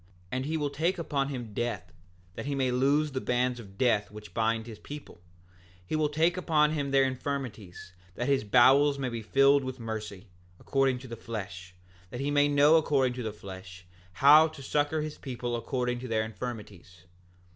7:12 And he will take upon him death, that he may loose the bands of death which bind his people; and he will take upon him their infirmities, that his bowels may be filled with mercy, according to the flesh, that he may know according to the flesh how to succor his people according to their infirmities.